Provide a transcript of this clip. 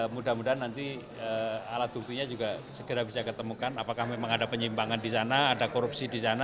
mudah mudahan nanti alat buktinya juga segera bisa ketemukan apakah memang ada penyimpangan di sana ada korupsi di sana